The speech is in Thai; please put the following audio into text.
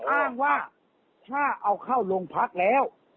อ้างว่าถ้าเอาเข้าโรงพักแล้ว